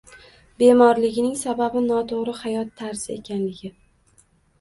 Bemorligining sababi noto‘g‘ri hayot tarzi ekanligi